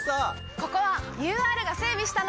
ここはＵＲが整備したの！